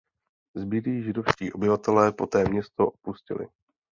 Zbylí židovští obyvatelé poté město opustili.